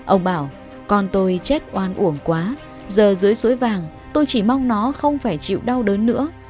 ông bảo con tôi chết oan uổng quá giờ dưới suối vàng tôi chỉ mong nó không phải chịu đau đớn nữa